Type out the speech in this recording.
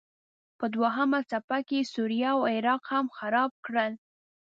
په دوهمه څپه کې یې سوریه او عراق هم خراب کړل.